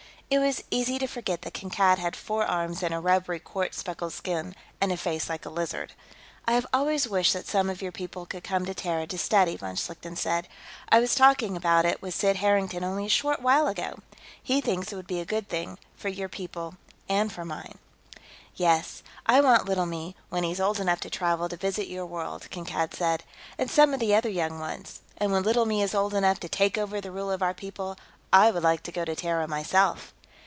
It was easy to forget that Kankad had four arms and a rubbery, quartz speckled skin, and a face like a lizard. "I have always wished that some of your people could come to Terra, to study," von Schlichten said. "I was talking about it with Sid Harrington, only a short while ago. He thinks it would be a good thing, for your people and for mine." "Yes. I want Little Me, when he's old enough to travel, to visit your world," Kankad said. "And some of the other young ones. And when Little Me is old enough to take over the rule of our people, I would like to go to Terra, myself."